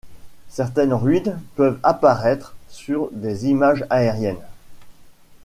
Certaines ruines peuvent apparaître sur des images aériennes.